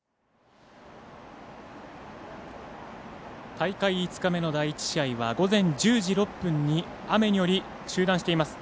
大会５日目の第１試合は午前１０時６分に雨により中断しています。